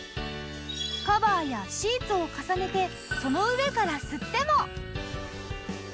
カバーやシーツを重ねてその上から吸っても！